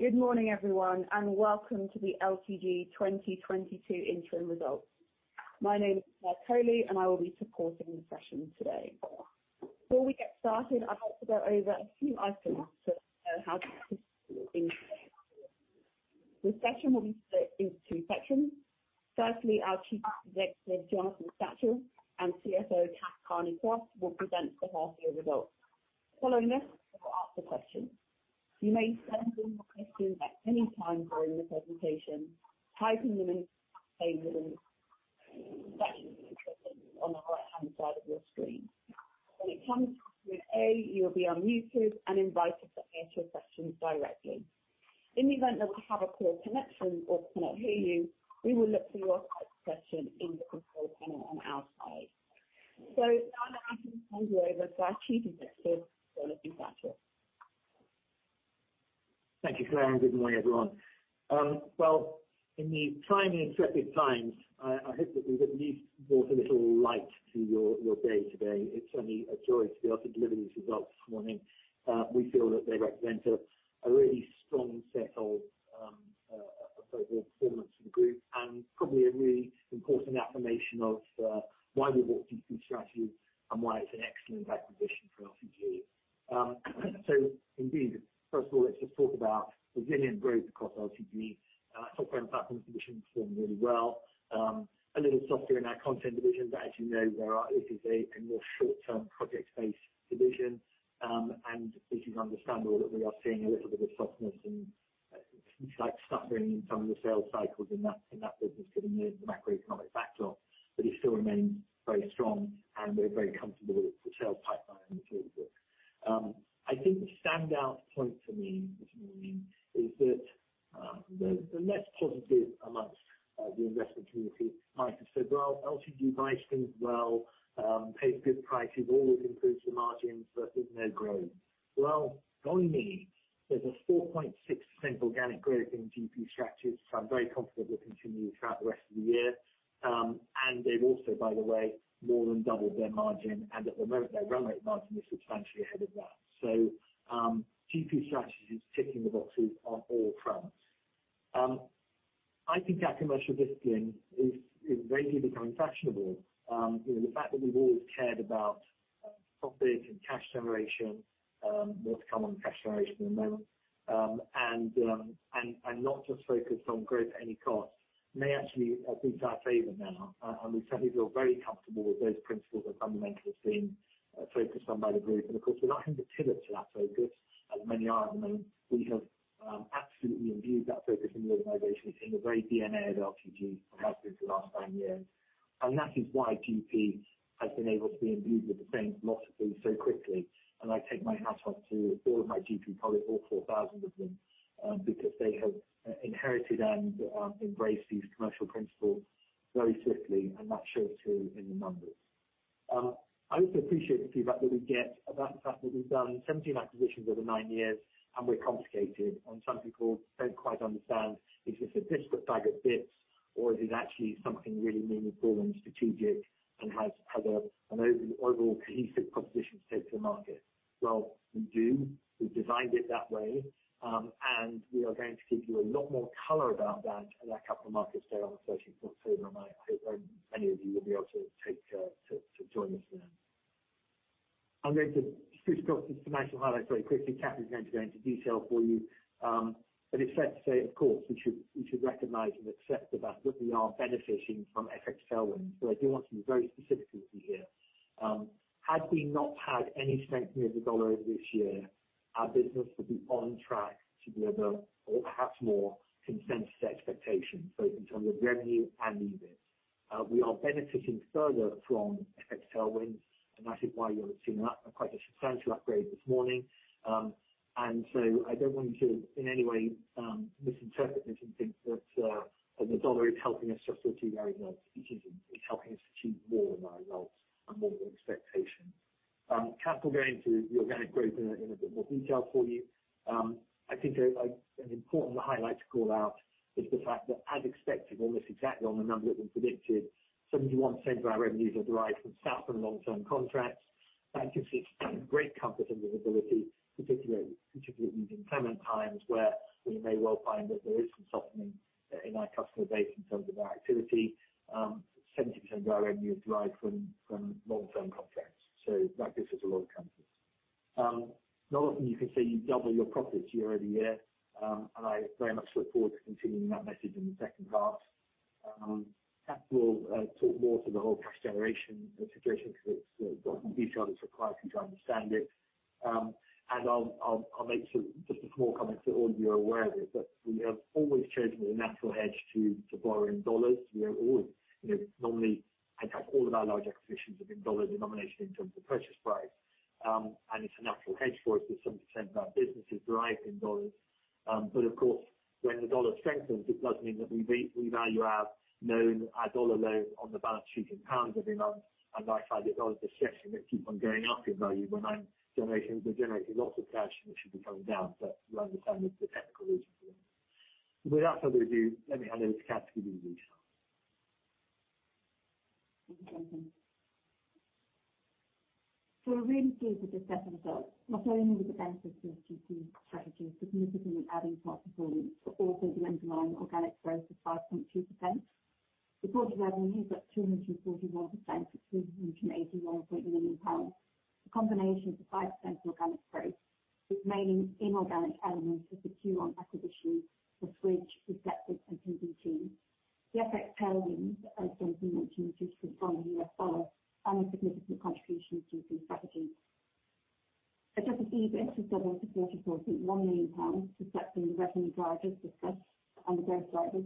Good morning, everyone, and welcome to the LTG 2022 interim results. My name is Claire Coley, and I will be supporting the session today. Before we get started, I'd like to go over a few items so you know how to. The session will be split in two sections. Firstly, our Chief Executive, Jonathan Satchell and CFO, Kath Kearney-Croft will present the half year results. Following this, we will ask the questions. You may send in your questions at any time during the presentation. Type in the name on the right-hand side of your screen. When it comes to you'll be unmuted and invited to ask your question directly. In the event that we have a poor connection or cannot hear you, we will look for your typed question in the control panel on our side. Now I'd like to hand you over to our Chief Executive, Jonathan Satchell. Thank you, Claire, and good morning, everyone. Well, in these trying and intrepid times, I hope that we've at least brought a little light to your day today. It's only a joy to be able to deliver these results this morning. We feel that they represent a really strong set of overall performance from the group and probably a really important affirmation of why we bought GP Strategies and why it's an excellent acquisition for LTG. Indeed, first of all, let's just talk about resilient growth across LTG. Our software and platforms division performed really well. A little softer in our content division, but as you know, this is a more short-term project-based division. It is understandable that we are seeing a little bit of softness and slight stuttering in some of the sales cycles in that business given the macroeconomic backdrop. It still remains very strong, and we're very comfortable with the sales pipeline and the clear book. I think the standout point for me this morning is that the less positive amongst the investment community might have said, "Well, LTG buys things well, pays good prices, always improves the margins, but isn't there growth?" Well, believe me, there's 4.6% organic growth in GP Strategies which I'm very confident will continue throughout the rest of the year. They've also, by the way, more than doubled their margin. At the moment, their run rate margin is substantially ahead of that. GP Strategies ticking the boxes on all fronts. I think our commercial discipline is vaguely becoming fashionable. You know, the fact that we've always cared about profits and cash generation, more to come on cash generation in a moment, and not just focused on growth at any cost may actually be to our favor now. We certainly feel very comfortable with those principles and fundamentals being focused on by the group. Of course, we're not going to pivot to that focus, as many are at the moment. We have absolutely imbued that focus in the organization. It's in the very DNA of LTG and has been for the last nine years. That is why GP has been able to be imbued with the same philosophy so quickly. I take my hat off to all of my GP colleagues, all 4,000 of them, because they have inherited and embraced these commercial principles very swiftly, and that shows too in the numbers. I also appreciate the feedback that we get about the fact that we've done 17 acquisitions over nine years, and we're complicated, and some people don't quite understand is this a basket bag of bits, or is it actually something really meaningful and strategic and has an overall cohesive proposition to take to the market? Well, we do. We designed it that way. We are going to give you a lot more color about that at our Capital Markets Day on the 13th of November. I hope many of you will be able to join us then. I'm going to shoot across these financial highlights very quickly. Kath is going to go into detail for you. It's fair to say, of course, we should recognize and accept the fact that we are benefiting from FX tailwinds. I do want to be very specific with you here. Had we not had any strengthening of the dollar over this year, our business would be on track to deliver, or perhaps more, consensus expectations, both in terms of revenue and EBIT. We are benefiting further from FX tailwinds, and I think why you're seeing quite a substantial upgrade this morning. I don't want you to, in any way, misinterpret this and think that the dollar is helping us justify our results. It isn't. It's helping us to achieve more in our results and more than expectation. Kath will go into the organic growth in a bit more detail for you. I think an important highlight to call out is the fact that as expected, almost exactly on the numbers we predicted, 71% of our revenues are derived from software and long-term contracts. That gives you great comfort and visibility, particularly in these inclement times, where we may well find that there is some softening in our customer base in terms of their activity. 70% of our revenue is derived from long-term contracts, so that gives us a lot of comfort. Not often you can say you double your profits year-over-year, and I very much look forward to continuing that message in the second half. Kath will talk more to the whole cash generation situation because it's got detail that's required for you to understand it. I'll make just a small comment so all of you are aware of it, but we have always chosen the natural hedge to borrow in dollars. We have always, you know, normally, in fact all of our large acquisitions have been dollar denomination in terms of purchase price. Of course, when the dollar strengthens, it does mean that we value our dollar loan on the balance sheet in pounds every month. Likewise, the dollars we're shedding, they keep on going up in value when I'm generating, we're generating lots of cash, and it should be coming down. You understand the technical reason for that. Without further ado, let me hand over to Kath to give you the details. We're really pleased with the second result, not only was it beneficial to the strategy, significantly adding platform performance, but also the underlying organic growth of 5.2%. The total revenue is at 241 million pounds to GBP 281 million. A combination of the 5% organic growth with mainly inorganic elements of the Q on acquisition of Switch, Reflektive and CBT. The FX tailwinds, as Kath mentioned, is from the US dollar and a significant contribution to strategy. Adjusted EBIT has grown to 44.1 million pounds, reflecting the revenue drivers discussed on the growth drivers.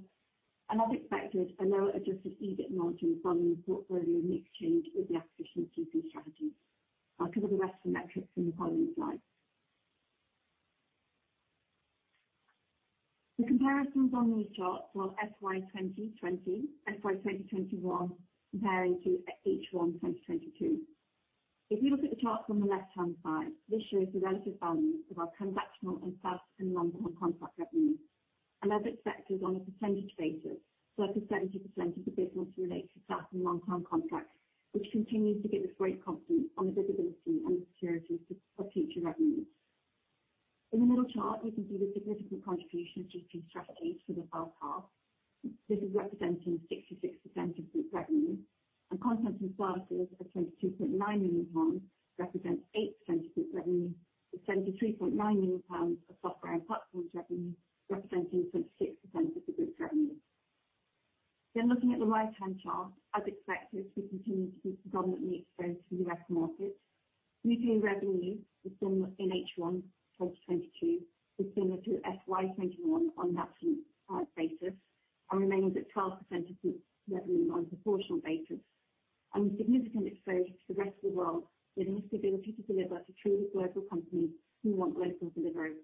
As expected, a lower Adjusted EBIT margin following the portfolio mix change with the acquisition GP Strategies. I'll cover the rest of the metrics in the following slides. The comparisons on these charts are FY 2020, FY 2021 comparing to H1 2022. If you look at the chart on the left-hand side, this shows the relative value of our transactional and SaaS and long-term contract revenue. As expected on a percentage basis, so a percentage of the business relates to SaaS and long-term contracts, which continues to give us great confidence on the visibility and the security for future revenues. In the middle chart, you can see the significant contribution of GP Strategies for the first half. This is representing 66% of group revenue and content and services of 22.9 million pounds represents 8% of group revenue, with 23.9 million pounds of software and platforms revenue representing 26% of the group revenue. Looking at the right-hand chart. As expected, we continue to be predominantly exposed to the US market. US revenue similar in H1 2022 is similar to FY 2021 on actual basis and remains at 12% of group revenue on a proportional basis, with significant exposure to the rest of the world, giving us the ability to deliver to truly global companies who want global delivery.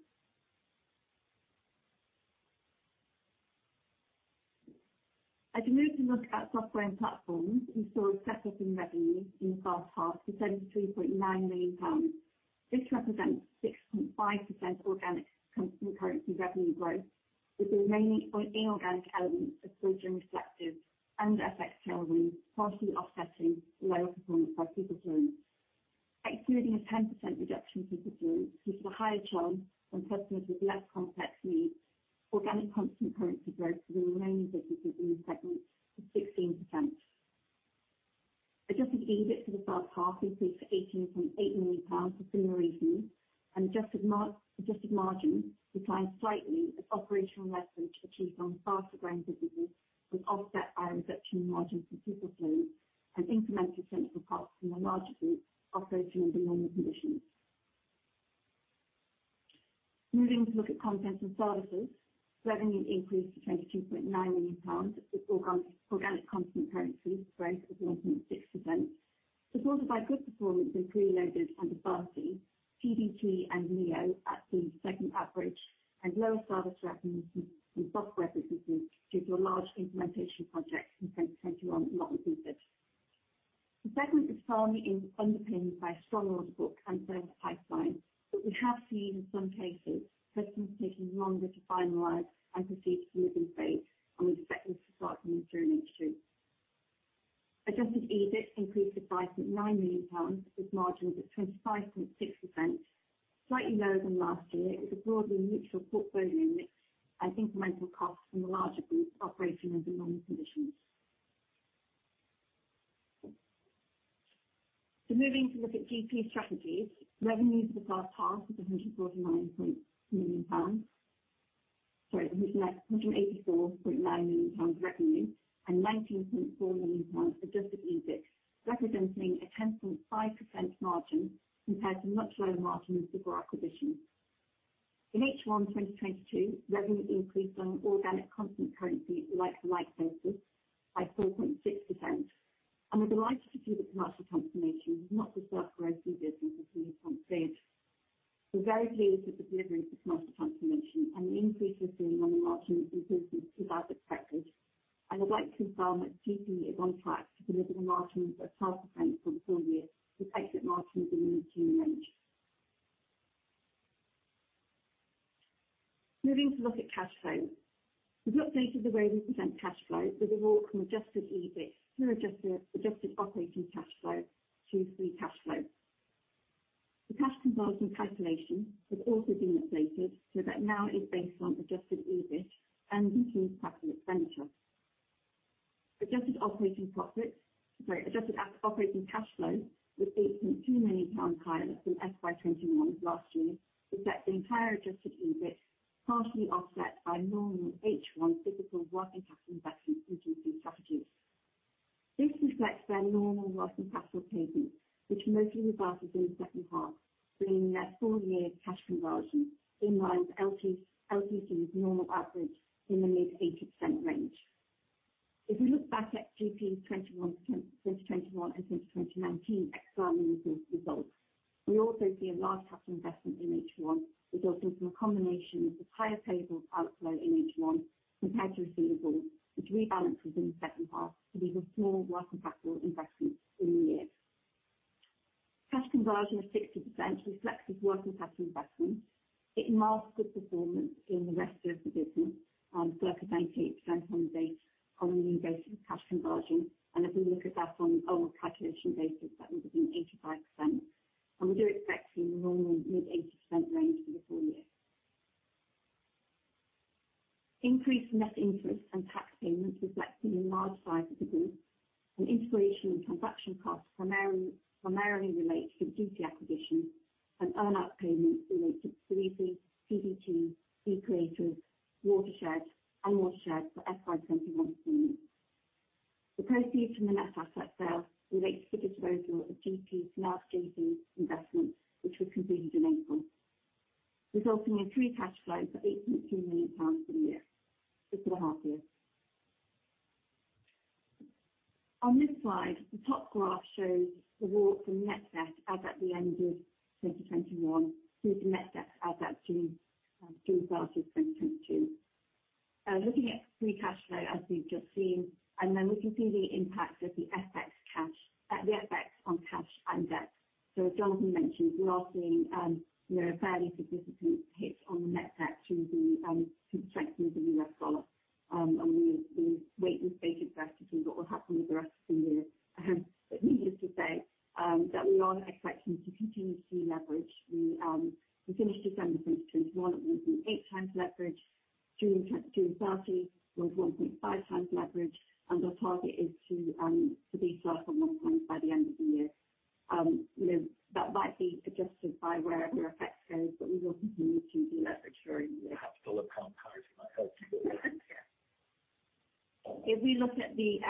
As we move to look at software and platforms, we saw a step-up in revenue in the first half to 23.9 million pounds. This represents 6.5% organic constant currency revenue growth, with the remaining inorganic elements of Switch and Reflektive and FX tailwind partly offsetting lower performance by PeopleFluent. Excluding a 10% reduction to PeopleFluent, which is a higher churn and customers with less complex needs, organic constant currency growth for the remaining businesses in the segment is 16%. Adjusted EBIT for the first half increased to 18.8 million pounds for similar reasons, and Adjusted Margin declined slightly as operational leverage achieved on faster growing businesses was offset by a reduction in margins for PeopleFluent and incremental central costs from the larger group operating under normal conditions. Moving to look at content and services. Revenue increased to 22.9 million pounds with organic constant currency growth of 1.6%, supported by good performance in Preloaded and Abaci, CBT and Neo at the segment average and lower service revenue from software businesses due to a large implementation project in 2021 not repeated. The segment is firmly underpinned by a strong order book and sales pipeline, but we have seen in some cases customers taking longer to finalize and proceed to the implementation phase, and we expect this to start to improve in H2. Adjusted EBIT increased to GBP 5.9 million, with margins at 25.6%, slightly lower than last year. It was a broadly neutral portfolio mix and incremental costs from the larger group operating under normal conditions. Moving to look at GP Strategies. Revenues for the first half was 184.9 million pounds revenue and 19.4 million pounds Adjusted EBIT, representing a 10.5% margin compared to much lower margin of the prior acquisition. In H1 2022, revenue increased on an organic constant currency like-for-like basis by 4.6%. We're delighted to see the commercial transformation of not-for-profit growth businesses we have completed. We're very pleased with the delivery of the commercial transformation and the increase we're seeing on the margin improvement is as expected. I'd like to confirm that GP is on track to deliver margins of 12% for the full year, with exit margins in the mid-teen range. Moving to look at cash flow. We've updated the way we present cash flow with a move from Adjusted EBIT through Adjusted Operating Cash Flow to free cash flow. The cash conversion calculation has also been updated so that now is based on Adjusted EBIT and includes capital expenditure. Adjusted Operating Profit. Sorry, Adjusted Operating Cash Flow was GBP 8.2 million higher than FY 2021 last year, with the entire Adjusted EBIT partly offset by normal H1 typical working capital investment in GP Strategies. This reflects their normal working capital payment, which mostly reverses in the second half, bringing their full year cash conversion in line with LTG's normal average in the mid-80% range. If we look back at GP 2021, since 2021 and since 2019, excluding results, we also see a large capital investment in H1 resulting from a combination of the On this slide, the top graph shows the walk from net debt as at the end of 2021 through to net debt as at June 30, 2022. Looking at free cash flow as we've just seen, and then we can see the impact of the FX on cash and debt. As Jonathan mentioned, we are seeing, you know, a fairly significant hit on the net debt through the strength of the US dollar, and we wait and see progressively what will happen with the rest of the year. Needless to say, that we are expecting to continue to deleverage. We finished December 2021 with an 8x leverage. June 30 was 1.5x leverage, and the target is to be south of 1x by the end of the year. You know, that might be adjusted by where the FX goes, but we will continue to deleverage during the year. Perhaps dollar-pound currency might help. If we look at the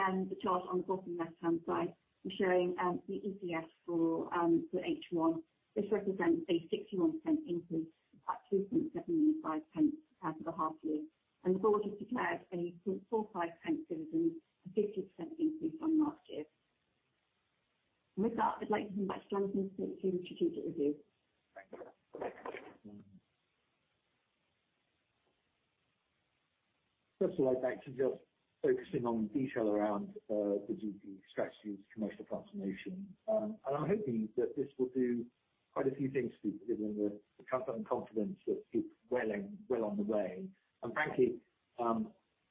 chart on the bottom left-hand side, we're showing the EPS for H1. This represents a 61% increase of 0.02785 for the half year. The board has declared a 0.045 dividend, a 50% increase on last year. With that, I'd like to hand back to Jonathan to take you through the strategic review. Thank you. First of all, I'd like to just focus in on detail around the GP Strategies' commercial transformation. I'm hoping that this will do quite a few things to give them the comfort and confidence that it's well on its way. Frankly,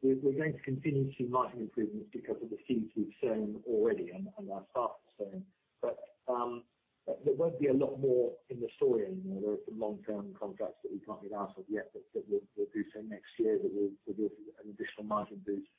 we're going to continue to see margin improvements because of the seeds we've sown already and our staff have sown. But there won't be a lot more in the sowing. There are some long-term contracts that we can't get out of yet, but that we'll do so next year that will give an additional margin boost.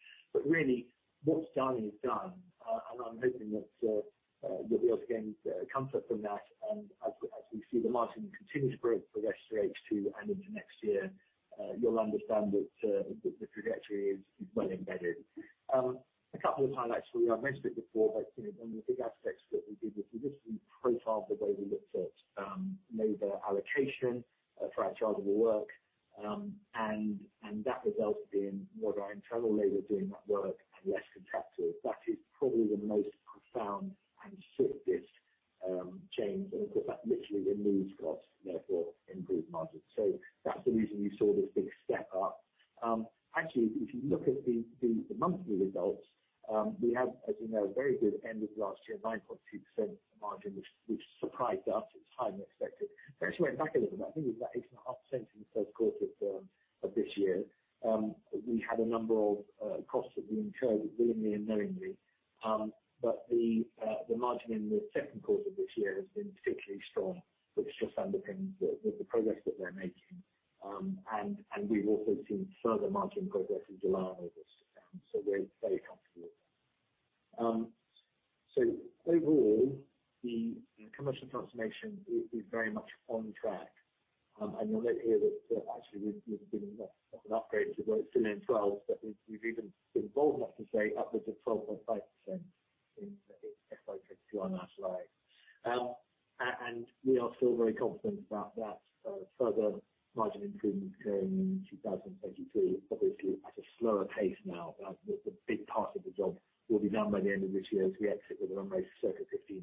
by the end of this year as we exit with a run rate of circa 15%.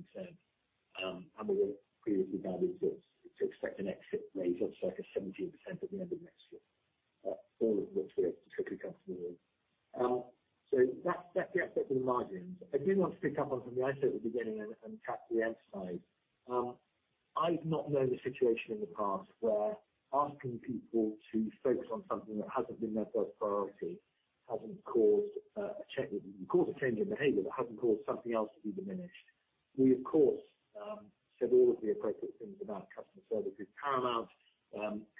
We're previously guided to expect an exit rate of circa 17% at the end of next year. All of which we're particularly comfortable with. That's the aspect of the margins. I did want to pick up on something I said at the beginning and tap the edge side. I've not known a situation in the past where asking people to focus on something that hasn't been their first priority, hasn't caused a change in behavior, but hasn't caused something else to be diminished. We, of course, said all of the appropriate things about customer service is paramount.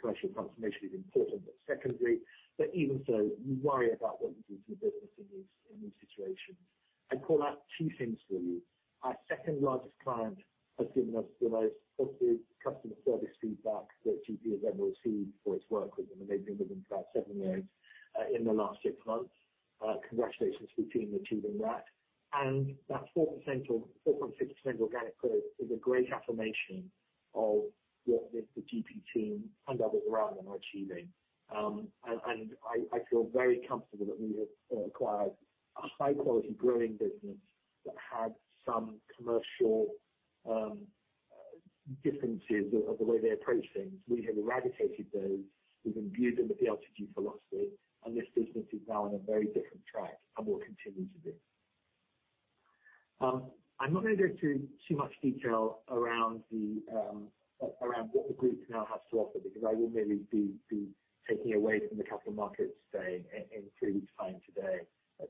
Commercial transformation is important, but secondary. Even so, you worry about what you do to the business in these situations. I call out two things for you. Our second largest client has given us the most positive customer service feedback that GP has ever received for its work with them, and they've been with them for about seven years in the last six months. Congratulations to the team achieving that. That 4% or 4.6% organic growth is a great affirmation of what the GP team and others around them are achieving. And I feel very comfortable that we have acquired a high-quality growing business that had some commercial differences of the way they approach things. We have eradicated those. We've imbued them with the LTG philosophy, and this business is now on a very different track and will continue to be. I'm not gonna go through too much detail around what the group now has to offer, because I will merely be taking away from the capital markets day in three weeks' time. Today,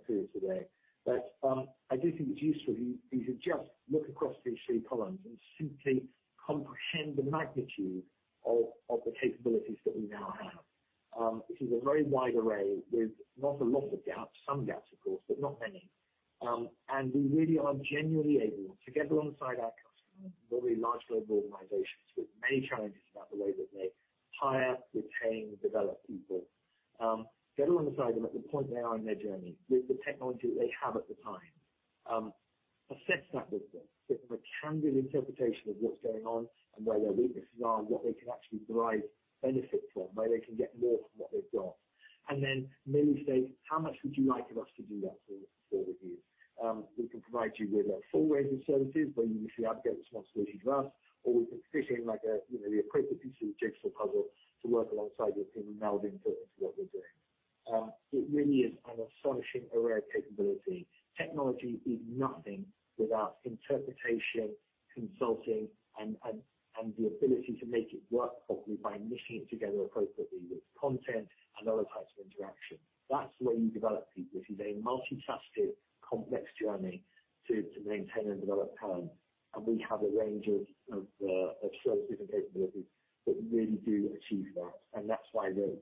period. Today. I do think it's useful if you just look across these three columns and simply comprehend the magnitude of the capabilities that we now have. This is a very wide array with not a lot of gaps, some gaps of course, but not many. We really are genuinely able to get alongside our customers, very large global organizations with many challenges about the way that they hire, retain, develop people. Get alongside them at the point they are in their journey with the technology that they have at the time. Assess that with them, give them a candid interpretation of what's going on and where their weaknesses are and what they can actually derive benefit from, where they can get more from what they've got. Mainly say, "How much would you like of us to do that for you? We can provide you with a full range of services where you usually outsource responsibility to us, or we can fit in like a, you know, the appropriate piece of the jigsaw puzzle to work alongside your team and now build into what we're doing." It really is an astonishing array of capability. Technology is nothing without interpretation, consulting and the ability to make it work properly by knitting it together appropriately with content and other types of interaction. That's the way you develop people. This is a multifaceted, complex journey to maintain and develop talent, and we have a range of service and capabilities that really do achieve that. That's why the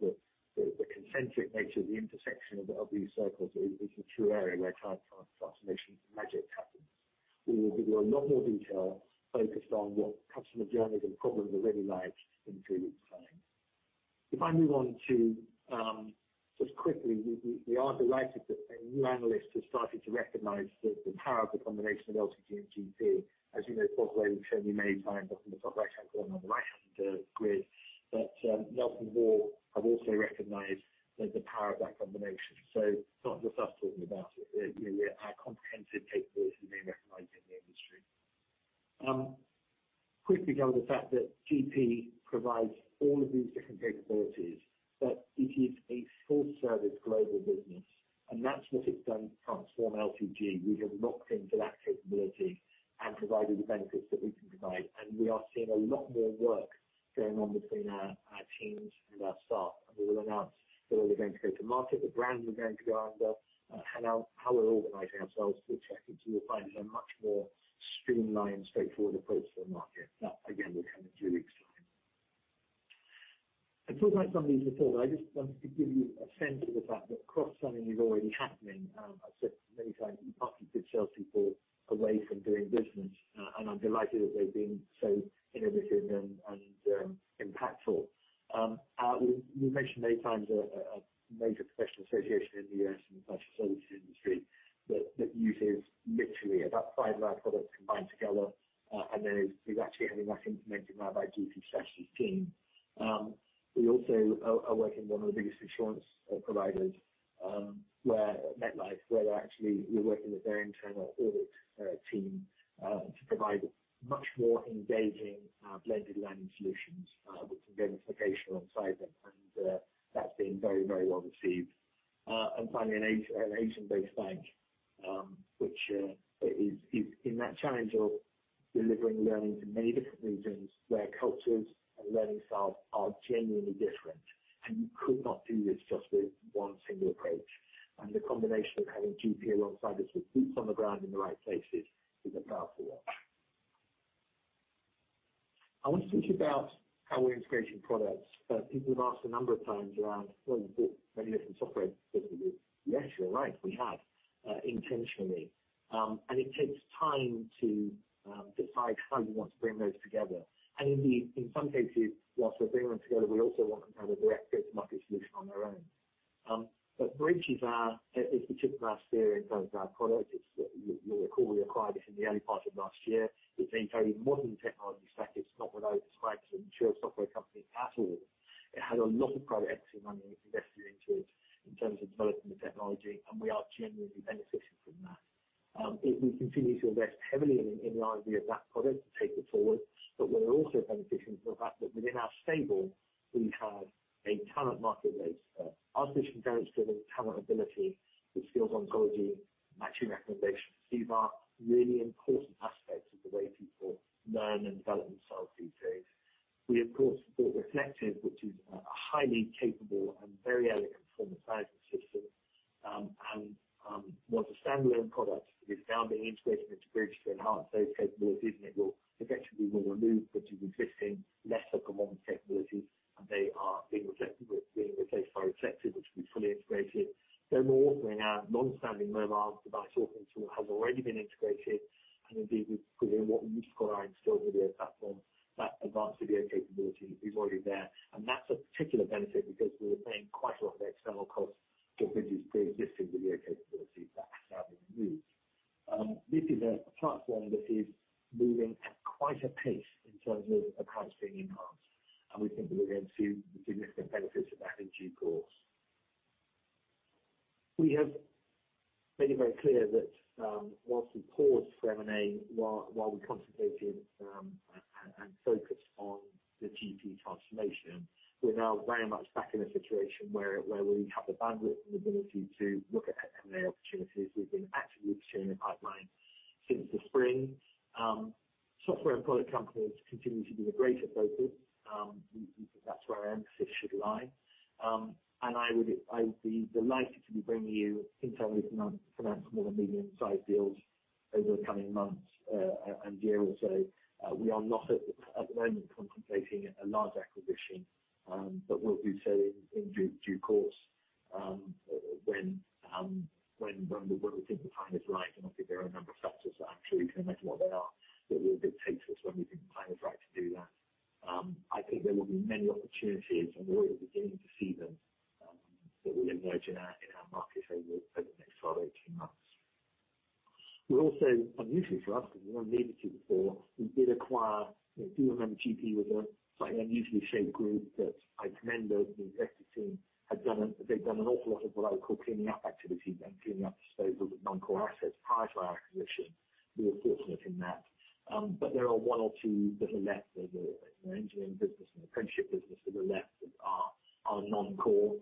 concentric nature of the intersection of these circles is a true area where transformation magic happens. We will give you a lot more detail focused on what customer journeys and problems are really like in three weeks' time. If I move on to just quickly, we are delighted that a new analyst has started to recognize the power of the combination of LTG and GP. As you know, Fosway, we've shown you many times up in the top right-hand corner on the right-hand grid. But NelsonHall have also recognized the power of that combination. It's not just us talking about it. You know, we are a comprehensive capability being recognized in the industry. Quickly go to the fact that GP provides all of these different capabilities, but it is a full-service global business, and that's what it's done to transform LTG. We have locked into that capability and provided the benefits that we can provide, and we are seeing a lot more work going on between our teams and our staff. We will announce where we're going to go to market, the brands we're going to go under, how we're organizing ourselves for check into a much more streamlined, straightforward approach to the market. That again, will come in three weeks' time. I talked about some of these before, but I just wanted to give you a sense of the fact that cross-selling is already happening. I've said many times you can't keep good salespeople away from doing business. I'm delighted that they've been so innovative and impactful. We've mentioned many times a major professional Bridge is the tip of our spear in terms of our product. You'll recall we acquired this in the early part of last year. It's a very modern technology stack. It's not what I would describe as a mature software company at all. It had a lot of private equity money invested into it in terms of developing the technology, and we are genuinely benefiting from that. We continue to invest heavily in the idea of that product to take it forward, but we're also benefiting from the fact that within our stable we have a talent marketplace. Our vision for talent mobility with skills ontology, matching recommendations, these are really important aspects of the way people learn and develop themselves these days. We, of course, support Reflektive, which is a highly capable and very elegant form of assessment system and was a standalone product that is now being integrated into Bridge to enhance those capabilities, and it will effectively remove some existing lesser common technologies, and they are being replaced by Reflektive, which will be fully integrated. We're also bringing our long-standing mobile device authoring tool has already been integrated, and indeed within what we've just called our Instilled video platform, that advanced video capability is already there. That's a particular benefit because we were paying quite a lot of external costs for Bridge's preexisting video capabilities that are now being removed. This is a platform that is moving at quite a pace in terms of the products being enhanced, and we think that we're going to see the significant benefits of that in due course. We have made it very clear that, while we paused for M&A while we concentrated, and focused on the GP transformation, we're now very much back in a situation where we have the bandwidth and ability to look at M&A opportunities. We've been actively pursuing a pipeline since the spring. Software and product companies continue to be the greater focus. We think that's where our emphasis should lie. I would be delighted to be bringing you internal announcement of more medium-sized deals over the coming months, and year or so. We are not at the moment contemplating a large acquisition, but will do so in due course, when we think the time is right. Obviously there are a number of factors that you can imagine what they are, that will dictate when we think the time is right to do that. I think there will be many opportunities, and we're already beginning to see them, that will emerge in our market over the next 12-18 months. We're also, unusually for us because we've never needed to before, we did acquire, you know, GP Strategies with a slightly unusually shaped group that I commend the executive team. They'd done an awful lot of what I would call cleanup activity, cleaning up disposals of non-core assets prior to our acquisition. We were fortunate in that. But there are one or two that are left. There's an engineering business, an apprenticeship business that are left that are non-core.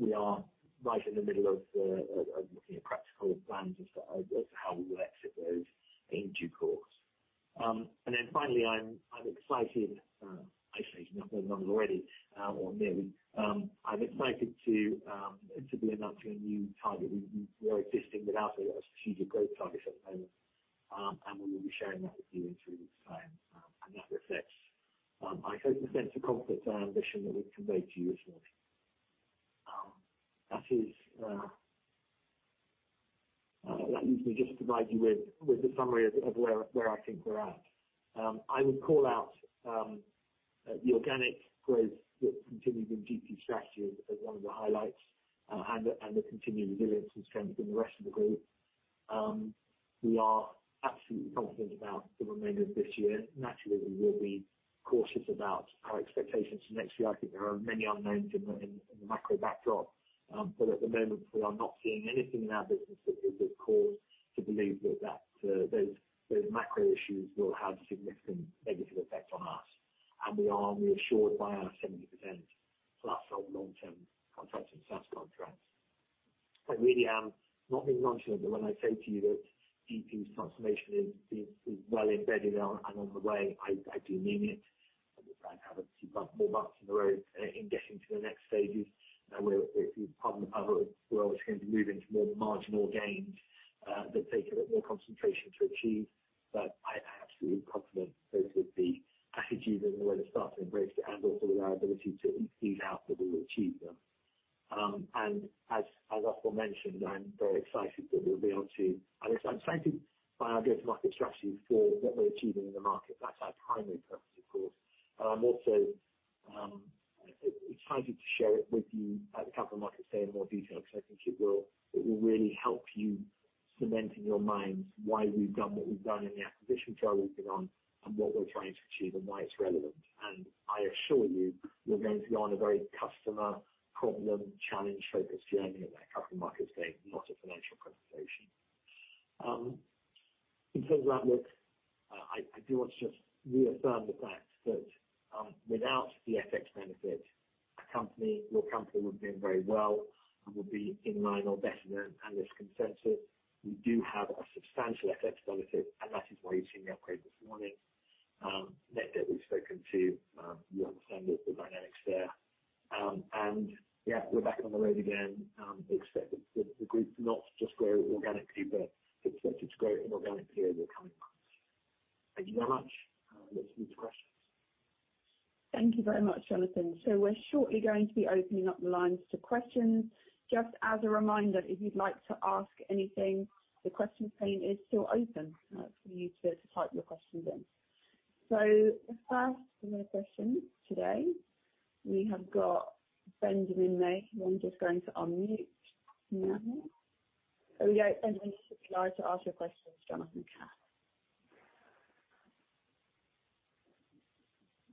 We are right in the middle of looking at practical plans as to how we will exit those in due course. Then finally I'm excited, I say not that I'm not already or nearly. I'm excited to be announcing a new target. We were existing without a strategic growth target at the moment. We will be sharing that with you in due time. That reflects, I hope, the sense of comfort and ambition that we've conveyed to you this morning. That is. That leaves me just to provide you with a summary of where I think we're at. I would call out the organic growth that continued in GP Strategies as one of the highlights, and the continued resilience and strength in the rest of the group. We are absolutely confident about the remainder of this year. Naturally, we will be cautious about our expectations for next year. I think there are many unknowns in the macro backdrop. At the moment we are not seeing anything in our business that gives us cause to believe that those macro issues will have significant negative effect on us. We are reassured by our 70% plus our long-term contracted SaaS contracts. I really am not being nonchalant, but when I say to you that GP's transformation is well embedded and on the way, I do mean it. We plan to have a few more months in the road in getting to the next stages, where if you pardon the pun, we're obviously going to be moving to more marginal gains that take a bit more concentration to achieve. I'm absolutely confident both with the packages and the way they start to embrace it, and also with our ability to ease out, that we will achieve them. As Kath Kearney-Croft mentioned, I'm very excited that we'll be able to. I'm excited by our go-to-market strategy for what we're achieving in the market. That's our primary purpose of course, and I'm also excited to share it with you at the capital markets day in more detail, because I think it will really help you cementing your minds why we've done what we've done in the acquisition trail we've been on, and what we're trying to achieve and why it's relevant. I assure you, we're going to be on a very customer problem challenge-focused journey on that capital markets day, not a financial presentation. In terms of outlook, I do want to just reaffirm the fact that without the FX benefit, our company, your company would have been very well and would be in line or better than analyst consensus. We do have a substantial FX benefit and that is why you've seen the upgrade this morning. Net debt we've spoken to, you understand the dynamics there. Yeah, we're back on the road again. Expect the group to not just grow organically, but expect it to grow inorganically over the coming months. Thank you very much. I'll listen to questions. Thank you very much, Jonathan. We're shortly going to be opening up the lines to questions. Just as a reminder, if you'd like to ask anything, the questions pane is still open for you to type your questions in. The first question today we have got Ben, who I'm just going to unmute now. There we go. Ben, if you'd like to ask your questions to Jonathan Satchell.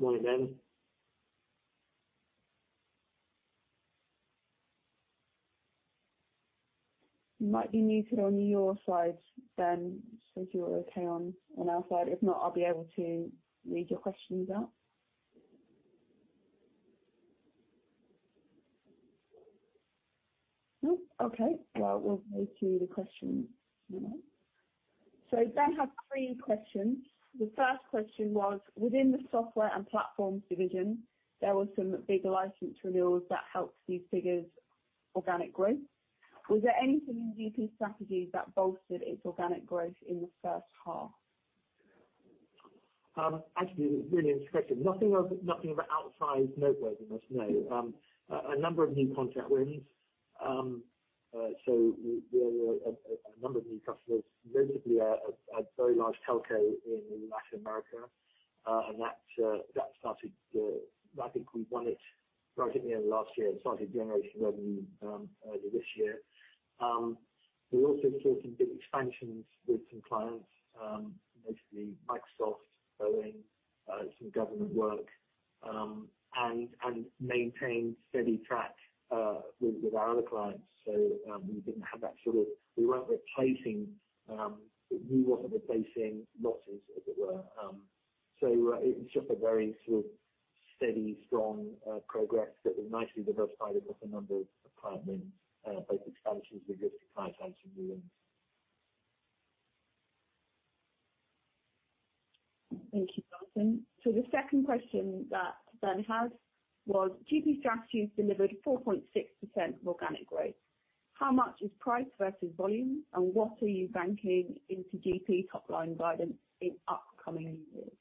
Morning, Ben. You might be muted on your side, Ben. I think you're okay on our side. If not, I'll be able to read your questions out. No? Okay. Well, we'll move to the questions email. Ben had three questions. The first question was: Within the software and platforms division, there were some big license renewals that helped these figures' organic growth. Was there anything in GP Strategies that bolstered its organic growth in the first half? Actually really interesting. Nothing of outsized noteworthy, no. A number of new contract wins. We had a number of new customers, notably a very large telco in Latin America. I think we won it right at the end of last year. It started generating revenue earlier this year. We also saw some big expansions with some clients, basically Microsoft going some government work, and maintained steady track with our other clients. We didn't have that sort of. We weren't replacing losses, as it were. It was just a very sort of steady, strong progress that was nicely diversified across a number of clients and both expansions with existing clients and some new wins. Thank you, Jonathan. The second question that Ben has was GP Strategies has delivered 4.6% organic growth. How much is price versus volume, and what are you banking into GP top line guidance in upcoming years?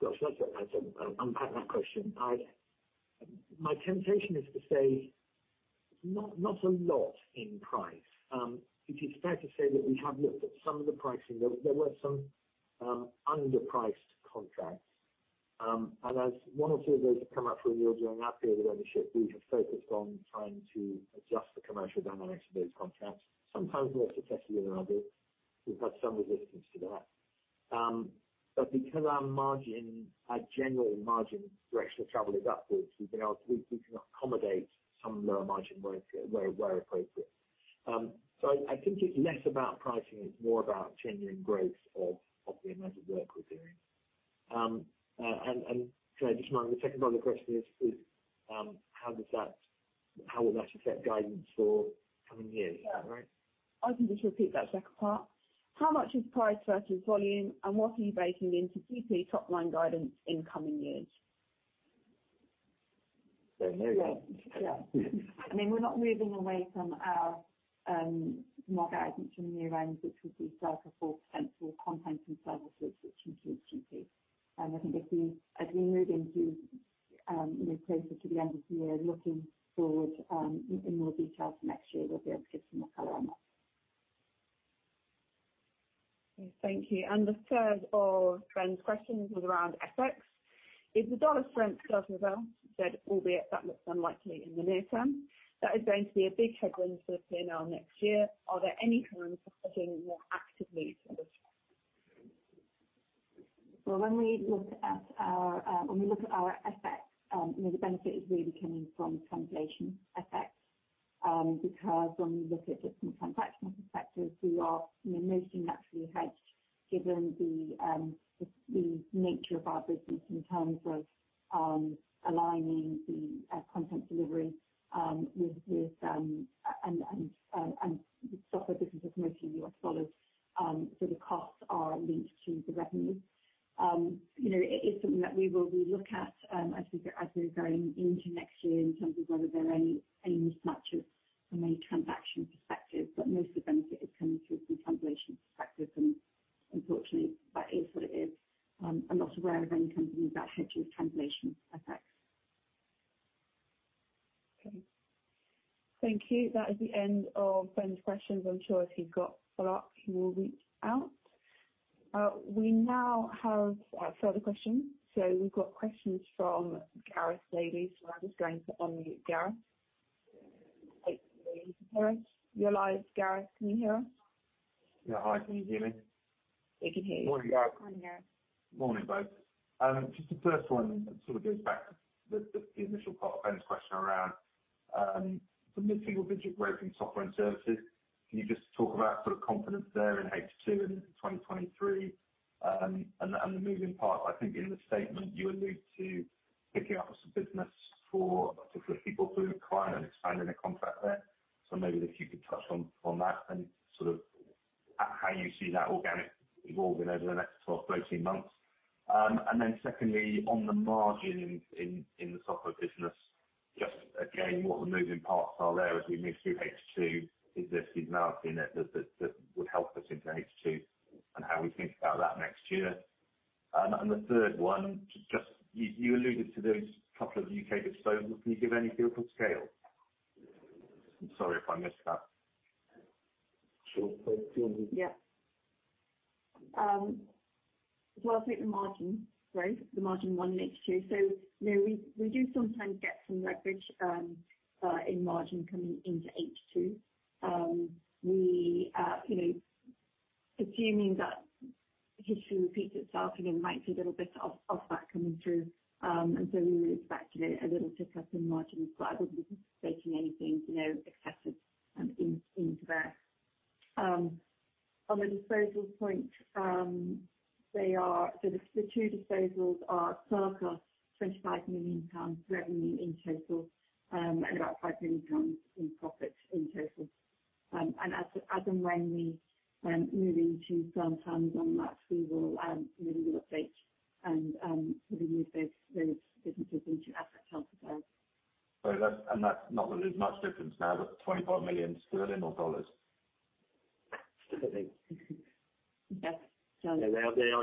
Gosh, that's an unpack that question. My temptation is to say not a lot in price. It is fair to say that we have looked at some of the pricing. There were some underpriced contracts. As one or two of those have come up for renewal during our period of ownership, we have focused on trying to adjust the commercial dynamics of those contracts, sometimes more successfully than others. We've had some resistance to that. Because our general margin direction of travel is upwards, we can accommodate some lower margin work where appropriate. I think it's less about pricing, it's more about genuine growth of the amount of work we're doing. Can I just remind me, the second part of the question is, how will that affect guidance for coming years, right? Yeah. I can just repeat that second part. How much is price versus volume, and what are you baking into GP top line guidance in coming years? No growth. Yeah. I mean, we're not moving away from our margin guidance for new range, which would be circa 4% for content and services, which includes GP. I think as we move into you know, closer to the end of the year, looking forward in more detail to next year, we'll be able to give some more color on that. Okay. Thank you. The third of Ben's questions was around FX. If the dollar strength does level off, albeit that looks unlikely in the near term, that is going to be a big headwind for P&L next year. Are there any plans for hedging more actively for this? Well, when we look at our FX, you know, the benefit is really coming from translation effects, because when we look at it from a transactional perspective, we are, you know, mostly naturally hedged given the nature of our business in terms of aligning the content delivery and software business is mostly US dollars, so the costs are linked to the revenue. You know, it is something that we will re-look at as we're going into next year in terms of whether there are any mismatch from a transaction perspective, but most of the benefit is coming through from translation perspective, and unfortunately, that is what it is. I'm not aware of any companies that hedge those translation effects. Okay. Thank you. That is the end of Ben's questions. I'm sure if he's got follow-ups, he will reach out. We now have a further question. We've got questions from Gareth Davies. I'm just going to unmute Gareth. Gareth, you're live. Gareth, can you hear us? Yeah. Hi. Can you hear me? We can hear you. Good morning Gareth. Morning, both. Just the first one sort of goes back to the initial part of Ben's question around the mid-single digit growth in software and services. Can you just talk about sort of confidence there in H2 in 2023, and the moving parts. I think in the statement you allude to picking up some business for Effective People through a client and expanding a contract there. Maybe if you could touch on that and sort of how you see that organic evolving over the next 12-13 months. And then secondly, on the margin in the software business, just again, what the moving parts are there as we move through H2. Is this seasonality that would help us into H2, and how we think about that next year. The third one, just you alluded to those couple of UK disposals. Can you give any feel for scale? I'm sorry if I missed that. Sure. Yeah. Well, I'll take the margin growth, the margin one in H2. You know, we do sometimes get some leverage in margin coming into H2. We, you know, assuming that history repeats itself, you know, might see a little bit of that coming through. We would expect, you know, a little tick up in margins, but I wouldn't be anticipating anything, you know, excessive in there. On the disposals point, they are. The two disposals are circa 25 million pounds revenue in total, and about 5 million pounds in profits in total. As and when we move into firm terms on that, we will update and move those businesses into asset held for sale. Sorry, that's not much difference now, but 25 million sterling [and earning more dollars?] [Sterling]. Yes. Yeah. They are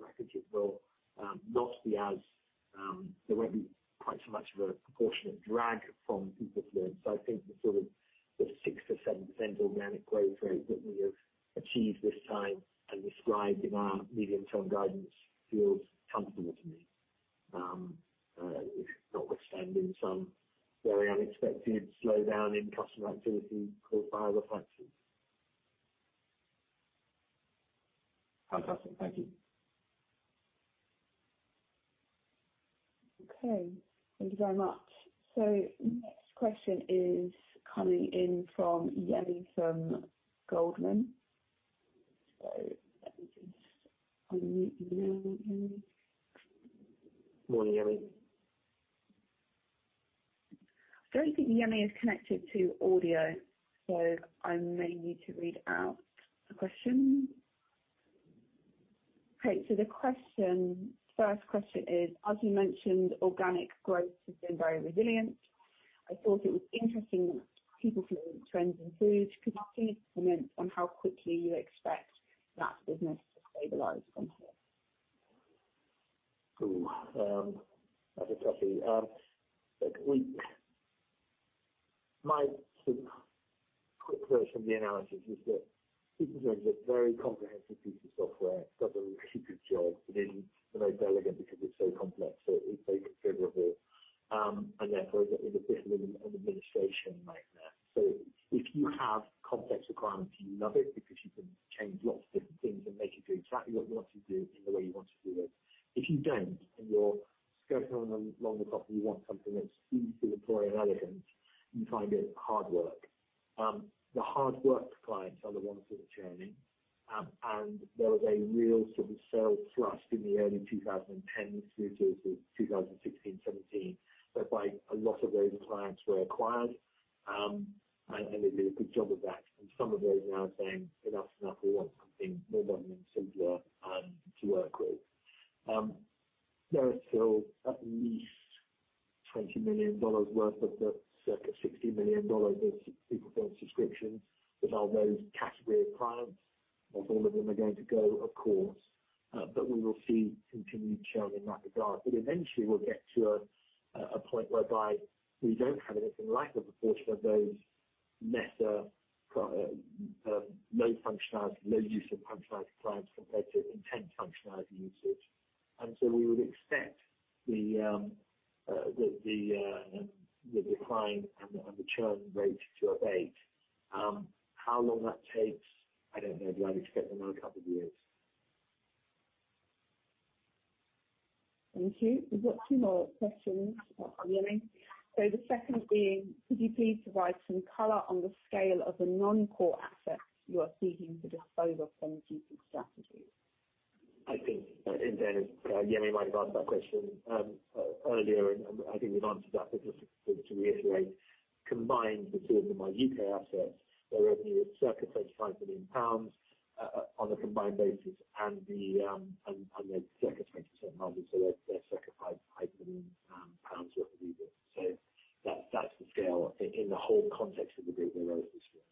overall software and platforms total revenue. We've still got gangbusters growth in Breezy and Instilled astonishing us every year. You know, it continues to just grow really, really well. We are, you know, really comfortable with the sort of solid growth that we're seeing out of Bridge and Open LMS and others. You know, that cabal of businesses will continue to grow. I think it will not be as there won't be quite so much of a proportionate drag from PeopleFluent. I think the sort of six to seven percent organic growth rate that we have achieved this time and described in our medium-term guidance feels comfortable to me, notwithstanding some very unexpected slowdown in customer activity caused by other factors. Fantastic. Thank you. Okay. Thank you very much. Next question is coming in from Yemi, from Goldman. Let me just unmute you now, Yemi. Morning, Yemi. I don't think Yemi is connected to audio, so I may need to read out the question. Great. The question, first question is, as you mentioned, organic growth has been very resilient. I thought it was interesting that PeopleFluent Trends and Food could not comment on how quickly you expect that business to stabilize from here. That's a [toughie]. My sort of quick version of the analysis is that PeopleFluent is a very comprehensive piece of software. It does a really good job. It isn't very elegant because it's so complex, so it's very configurable. And therefore it's a bit of an administration nightmare. If you have complex requirements, you love it because you can change lots of different things and make it do exactly what you want to do in the way you want to do it. If you don't, and you're skirting along the top and you want something that's beautifully elegant, you find it hard work. The hard work clients are the ones that are churning. There was a real sort of sales thrust in the early 2010s through to sort of 2016, 2017, whereby a lot of those clients were acquired, and they did a good job of that. Some of those now are saying, "Enough's enough. We want something more modern and simpler to work with." There are still at least GBP 20 million worth of the circa GBP 60 million of PeopleFluent subscriptions that are those category of clients. Not all of them are going to go, of course, but we will see continued churn in that regard. Eventually we'll get to a point whereby we don't have anything like the proportion of those lesser low functionality, low use of functionality clients compared to intense functionality usage. We would expect the decline and the churn rate to abate. How long that takes, I don't know. Do I expect another couple of years? Thank you. We've got two more questions after Yemi. The second being, could you please provide some color on the scale of the non-core assets you are seeking to dispose of from GP Strategies? I think in fairness Yemi might have asked that question earlier and I think we've answered that. Just to reiterate combined the two of my UK assets their revenue is circa 35 million pounds on a combined basis and they're circa 20% margin so they're circa 5 million pounds of EBITDA. That's the scale. In the whole context of the group they're relatively small.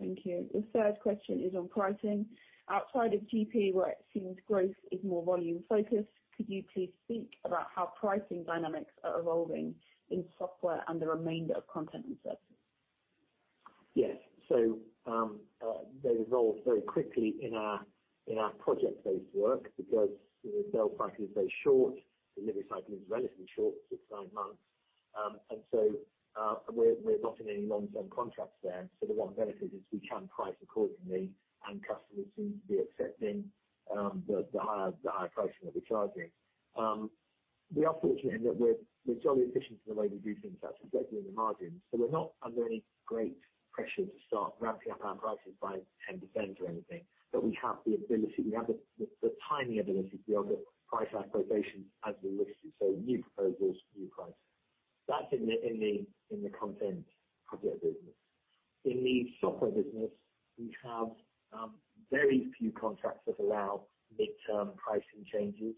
Thank you. The third question is on pricing. Outside of GP, where it seems growth is more volume focused, could you please speak about how pricing dynamics are evolving in software and the remainder of content and services? Yes. They evolve very quickly in our project-based work because the sales cycle is very short, delivery cycle is relatively short, 6-9 months. We're not in any long-term contracts there. The one benefit is we can price accordingly, and customers seem to be accepting the higher pricing that we're charging. We are fortunate in that we're jolly efficient in the way we do things, that's reflected in the margins. We're not under any great pressure to start ramping up our prices by 10% or anything. We have the ability, we have the timing ability to be able to price our quotations as we like it, so new proposals, new prices. That's in the content project business. In the software business, we have very few contracts that allow mid-term pricing changes.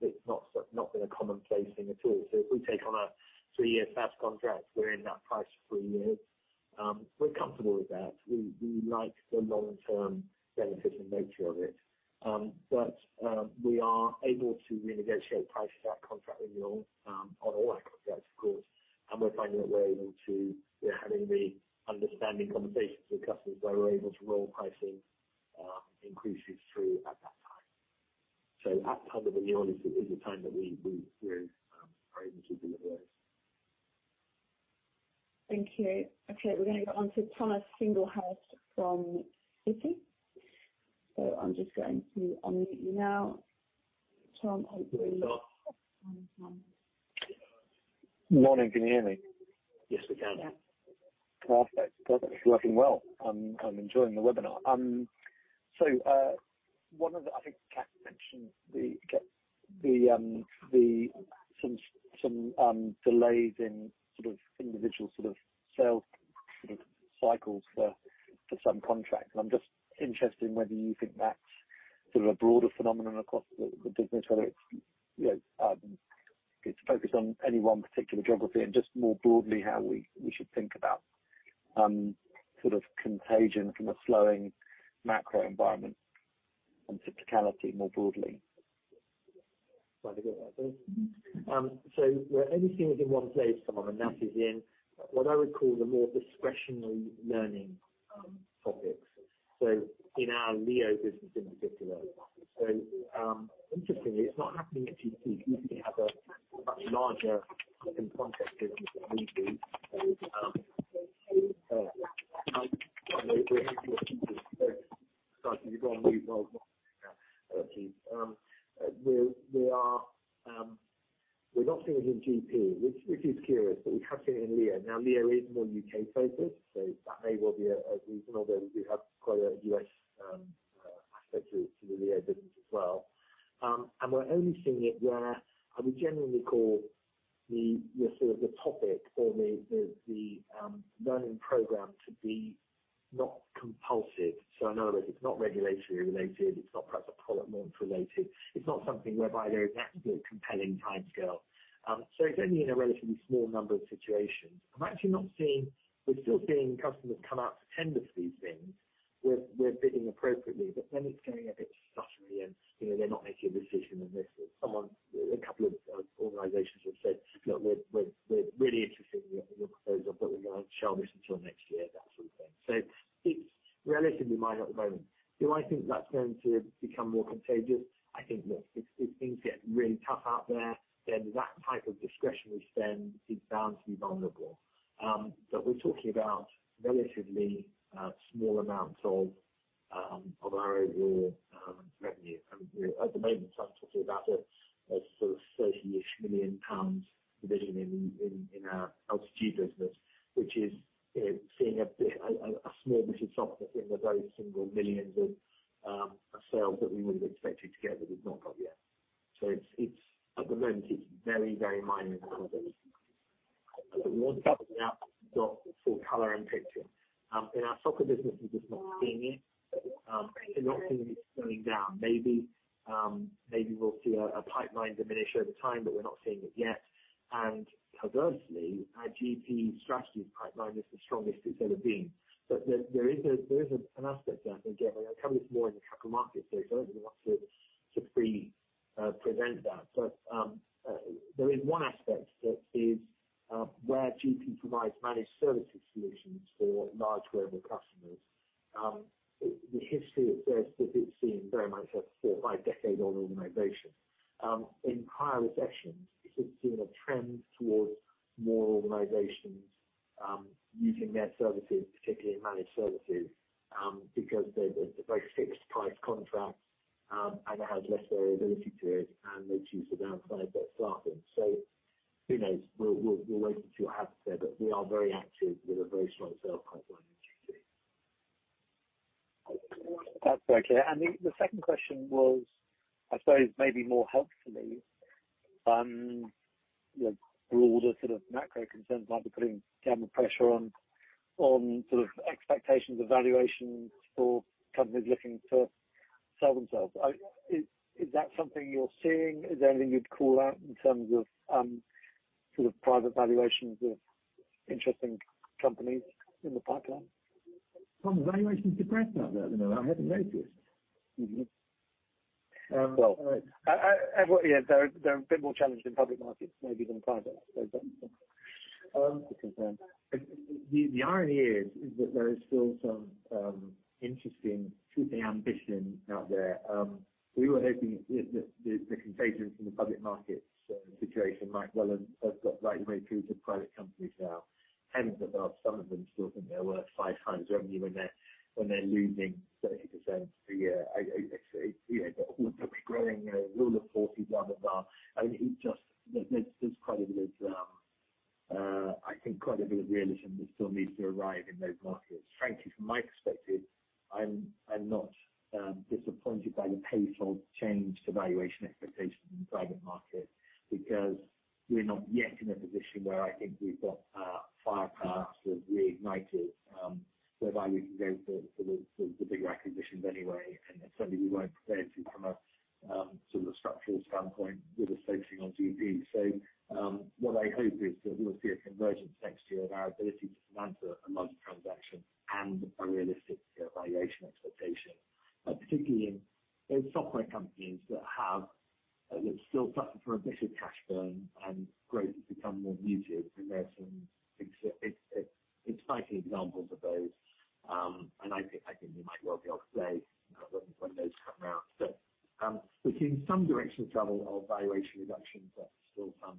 It's not been a commonplace thing at all. If we take on a three-year SaaS contract, we're in that price for three years. We're comfortable with that. We like the long-term beneficial nature of it. But we are able to renegotiate prices at contract renewal on all our contracts, of course. We're finding that we're having the understanding conversations with customers where we're able to roll pricing increases through at that time. The time of the year is the time that we're able to deliver this. Thank you. Okay, we're gonna go on to Thomas Singlehurst from Citi. I'm just going to unmute you now. Tom, hopefully. There we are. Morning. Can you hear me? Yes, we can now. Perfect. It's working well. I'm enjoying the webinar. One of the—I think Kath mentioned the some delays in sort of individual sort of sales sort of cycles for some contracts. I'm just interested in whether you think that's sort of a broader phenomenon across the business, whether it's you know it's focused on any one particular geography and just more broadly, how we should think about sort of contagion from a slowing macro environment and cyclicality more broadly. Try to get that then. We're only seeing it in one place, Tom, and that is in what I would call the more discretionary learning topics. In our LEO business in particular. Interestingly, it's not happening at GP. GP have a much larger contract business than we do. We're happy with GP. Sorry, you've gone mute. We're not seeing it in GP, which is curious, but we have seen it in LEO. Now, LEO is more U.K. focused, so that may well be a reason, although we have quite a U.S. aspect to the LEO business as well. We're only seeing it where I would generally call the sort of topic or the learning program to be not compulsory. I know that it's not regulatory related, it's not perhaps a product launch related. It's not something whereby there is necessarily a compelling timescale. It's only in a relatively small number of situations. I'm actually not seeing. We're still seeing customers come out to tender for these things. We're bidding appropriately, but then it's getting a bit stuttery and, you know, they're not making a decision. A couple of organizations have said, "Look, we're really interested in your proposal, but we're gonna shelve this until next year," that sort of thing. It's relatively minor at the moment. Do I think that's going to become more contagious? I think, look, if things get really tough out there, then that type of discretionary spend interesting companies in the pipeline? Thomas, valuations depressed out there at the moment. I hadn't noticed. Mm-hmm. Um- Well, yeah, they're a bit more challenged in public markets maybe than private. Concern. The irony is that there is still some interesting shooting ambition out there. We were hoping that the contagion from the public markets situation might well have got right the way through to private companies now. Hence, well, some of them still think they're worth 5x revenue when they're losing 30% for a year. It's, you know, all the public growth, you know, all the forces blah blah blah. I mean, it just, there's quite a bit of, I think, quite a bit of realism that still needs to arrive in those markets. Frankly, from my perspective, I'm not disappointed by the pace of change to valuation expectations in the private market because we're not yet in a position where I think we've got our firepower sort of reignited, so that we can go for the bigger acquisitions anyway. Certainly, we weren't prepared to from a sort of a structural standpoint with us focusing on GP. What I hope is that we'll see a convergence next year of our ability to finance a large transaction and a realistic valuation expectation, particularly in software companies that have. That's still suffering from a bit of cash burn and growth has become more muted. There are some examples of those. I think we might well be able to say when those come out. We're seeing some direction of travel of valuation reductions, but still some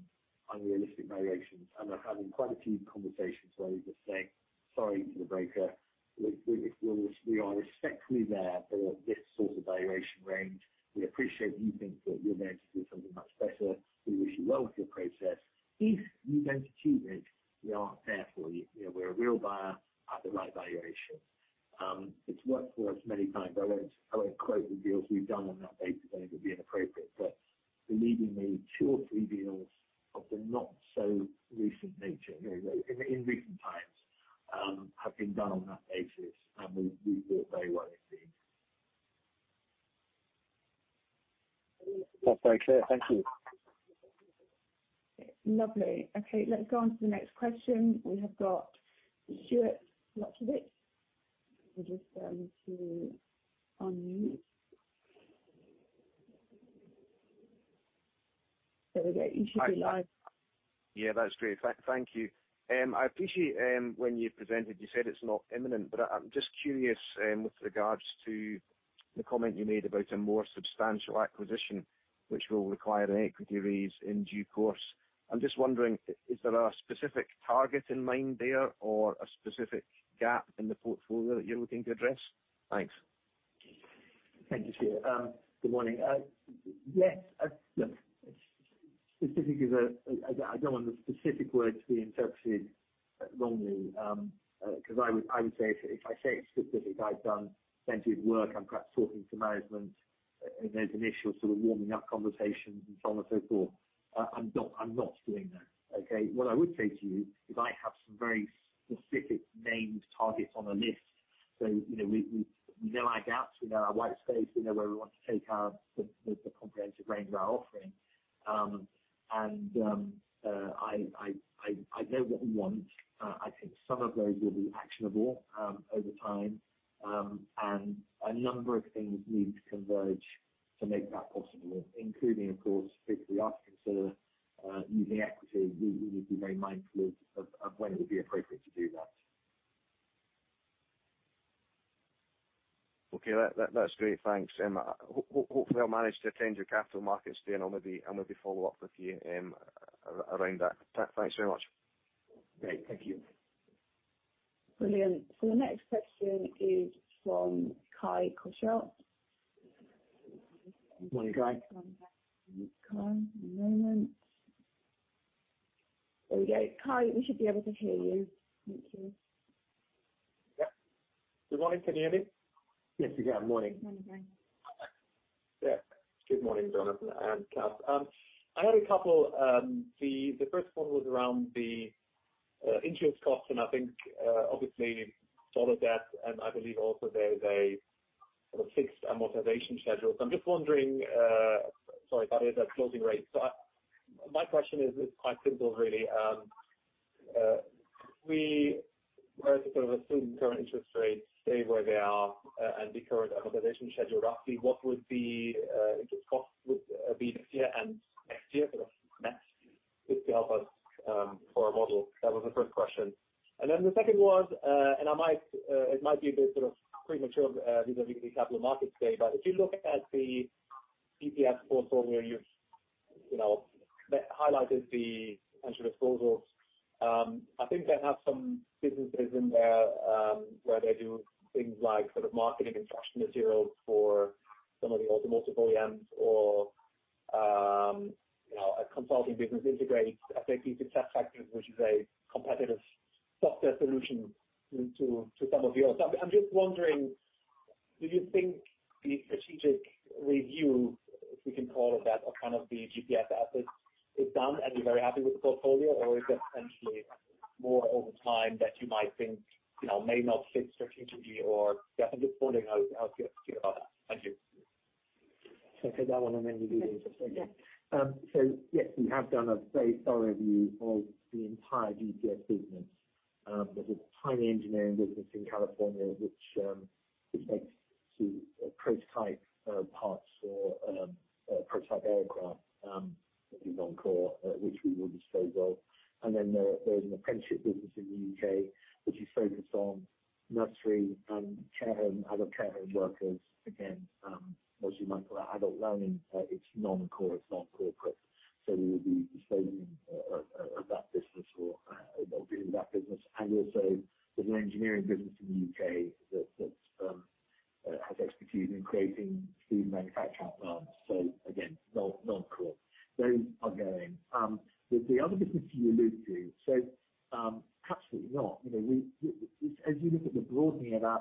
unrealistic valuations. We're having quite a few conversations where we just say, "Sorry, to the broker. We are respectfully there for this sort of valuation range. We appreciate you think that we're worth something much better. We wish you well with your process. If you don't achieve it, we are there for you. You know, we're a real buyer at the right valuation." It's worked for us many times. I won't quote the deals we've done on that basis. I think it would be inappropriate. Believe me, two or three deals of the not so recent nature, you know, in recent times, have been done on that basis, and we work very well indeed. That's very clear. Thank you. Lovely. Okay, let's go on to the next question. We have got Jai Mistry. We'll just get him to unmute. There we go. You should be live. Yeah, that's great. Thank you. I appreciate when you presented, you said it's not imminent, but I'm just curious with regards to the comment you made about a more substantial acquisition, which will require an equity raise in due course. I'm just wondering, is there a specific target in mind there or a specific gap in the portfolio that you're looking to address? Thanks. Thank you, Jai. Good morning. Yes. Look, specifically, I don't want the specific words to be interpreted wrongly, because I would say if I say it's specific, I've done plenty of work. I'm perhaps talking to management, and there's an initial sort of warming up conversation and so on and so forth. I'm not doing that. Okay? What I would say to you is I have some very specific named targets on a list. You know, we know our gaps, we know our white space, we know where we want to take the comprehensive range of our offering. I know what we want. I think some of those will be actionable, over time, and a number of things need to converge to make that possible, including, of course, if we are to consider using equity, we would need to be very mindful of when it would be appropriate to do that. Okay. That's great. Thanks. Hopefully I'll manage to attend your capital markets day, and I'll maybe follow up with you around that. Thanks very much. Great. Thank you. Brilliant. The next question is from Kai Korschelt. Morning, Kai. Kai, one moment. There we go. Kai, we should be able to hear you. Thank you. Yeah. Good morning. Can you hear me? Yes, we can. Morning. Morning, Kai. Good morning, Jonathan and Kath. I had a couple, the first one was around the interest costs and I think obviously, all of that, and I believe also there's a sort of fixed amortization schedule. I'm just wondering, sorry, that is a closing rate. My question is quite simple really. We were sort of assuming current interest rates stay where they are, and the current amortization schedule roughly, what would the interest costs be this year and next year, just to help us for our model? That was the first question. The second was, it might be a bit sort of premature, given it's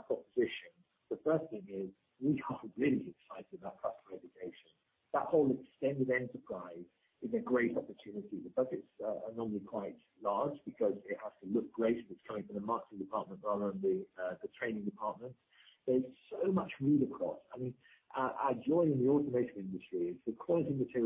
proposition, the first thing is we are really excited about customer education. That whole extended enterprise is a great opportunity. The budgets are normally quite large because it has to look great if it's coming from the marketing department rather than the training department. There's so much more across. I mean, our role in the automotive industry is